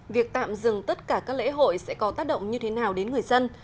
việc tạm dừng tất cả các lễ hội sẽ có tác động như thế nào đến người dân